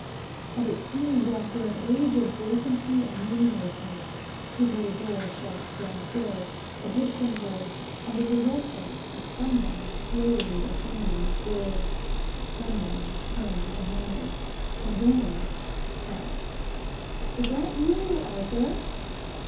And it seemed after an age of vacancy and meaninglessness he heard a door shut downstairs, a distant voice, and then the rustle of some one slowly ascending the stairs. Some one turned the handle; in vain; tapped. 'Is that you, Arthur?